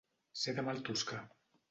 Ser de mal toscar.